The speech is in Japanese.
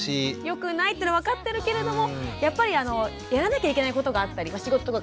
よくないっていうのは分かってるけれどもやっぱりやらなきゃいけないことがあったり仕事とか家事とか。